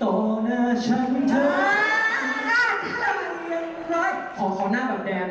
ขอหน้าแบบแดน